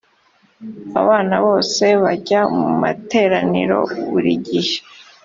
abana bose bajya mu materaniro buri gihe.